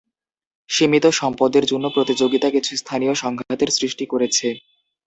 সীমিত সম্পদের জন্য প্রতিযোগিতা কিছু স্থানীয় সংঘাতের সৃষ্টি করেছে।